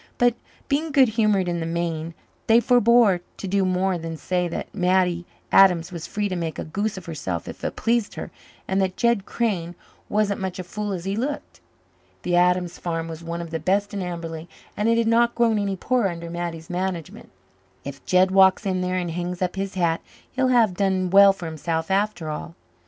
But, being good humoured in the main, they forebore to do more than say that Mattie Adams was free to make a goose of herself if it pleased her, and that Jed Crane wasn't such a fool as he looked. The Adams farm was one of the best in Amberley, and it had not grown any poorer under Mattie's management. "If Jed walks in there and hangs up his hat he'll have done well for himself after all."